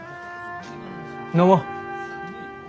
飲もう。